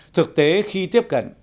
thực tế khi tiếp cận